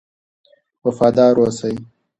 وفادار اوسئ.